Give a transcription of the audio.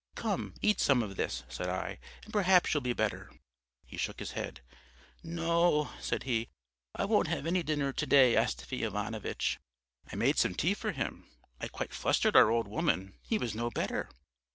"'Come, eat some of this,' said I, 'and perhaps you'll be better.' He shook his head. 'No,' said he, 'I won't have any dinner to day, Astafy Ivanovitch.' "I made some tea for him, I quite flustered our old woman he was no better.